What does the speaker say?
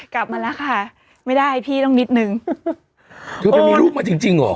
กลับมาแล้วค่ะไม่ได้พี่ต้องนิดนึงเธอไปมีลูกมาจริงจริงเหรอ